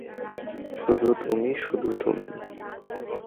শুধু তুমি, শুধু তুমি!